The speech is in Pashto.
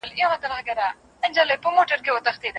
لوستونکی ستړی نه کوي.